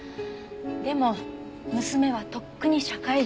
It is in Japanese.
でも娘はとっくに社会人。